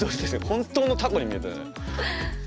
本当のタコに見えたよね。